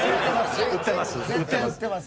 絶対売ってます。